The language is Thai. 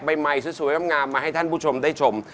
เพราะว่าเราอยากให้ซีซั่นสวยงามมาให้ท่านผู้ชมได้ชม